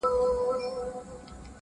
دا نه په توره نه په زور وځي له دغه ښاره,